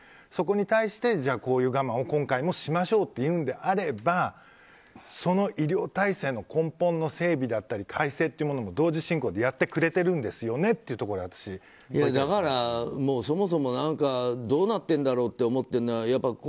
そこに対してこういう我慢を今回もしましょうと言うのであればその医療体制の根本の整備だったり改正というものも同時進行でやってくれてるんですよね？というところがそもそもどうなっているんだろうって思っているのがやっぱ